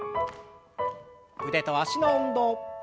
腕と脚の運動。